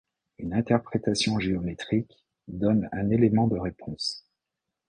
Une interprétation géométrique donne un élément de réponse.